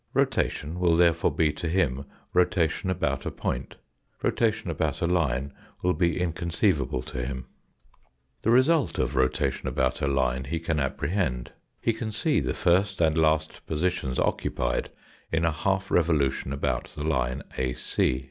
Rotation will therefore be to him rotation about a point. Rotation about a line will be inconceivable to him. The result of rotation about a line he can appprehend. He can see the first and last positions occupied in a half revolution about the line AC.